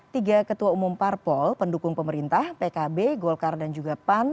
tiga ketua umum parpol pendukung pemerintah pkb golkar dan juga pan